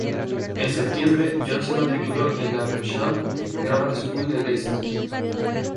En septiembre John se matriculó en la Beauchamp Grammar School de Leicester.